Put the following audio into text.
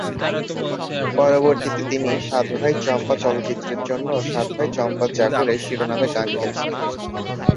পরবর্তীতে তিনি "সাত ভাই চম্পা" চলচ্চিত্রের জন্য সাত ভাই চম্পা জাগো রে শিরোনামে গান গেয়েছেন।